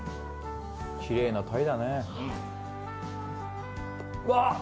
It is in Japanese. ・きれいな鯛だね・うわ！